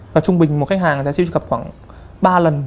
và trung bình một khách hàng người ta siêu truy cập khoảng ba lần